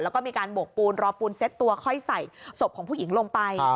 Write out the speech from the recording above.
แล้วก็มีการโบกปูนรอปูนเซ็ตตัวค่อยใส่ศพของผู้หญิงลงไป